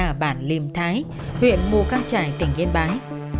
ở bản lìm thái huyện mù căng trải tỉnh yên bái